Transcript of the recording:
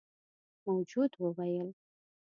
موجود وويل: